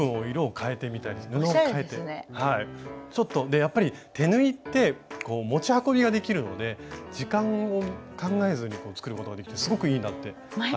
やっぱり手縫いって持ち運びができるので時間を考えずに作ることができてすごくいいなって改めて。